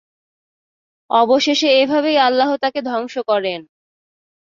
অবশেষে এভাবেই আল্লাহ তাকে ধ্বংস করেন।